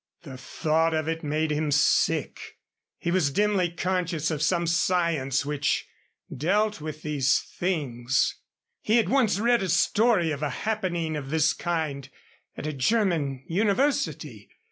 The thought of it made him sick. He was dimly conscious of some science which dealt with these things. He had once read a story of a happening of this kind at a German university.